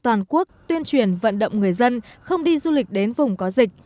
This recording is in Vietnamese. toàn quốc tuyên truyền vận động người dân không đi du lịch đến vùng có dịch